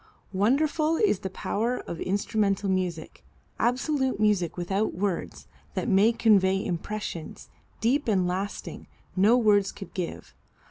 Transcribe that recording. Wonderful is the power of instrumental music, absolute music without words, that may convey impressions, deep and lasting, no words could give.